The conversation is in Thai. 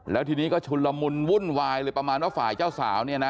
แล้วทีนี้ก็ชุนละมุนวุ่นวายเลยประมาณว่าฝ่ายเจ้าสาวเนี่ยนะ